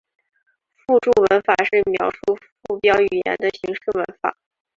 附标文法是描述附标语言的形式文法。